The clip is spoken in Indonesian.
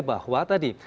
jadi yang kedua tadi